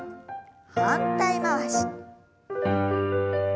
反対回し。